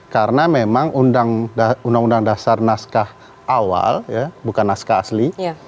karena memang uud naskah awal bukan naskah asli